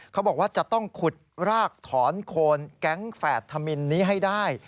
เขาบอกว่าจะต้องขุดรากถอนโคนแก๊งแฝดธมินนี้ให้ได้